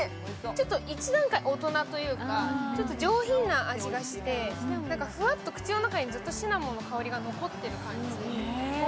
ちょっと１段階大人というか、ちょっと上品な味がして、口の中にシナモンの香りが残ってる感じ。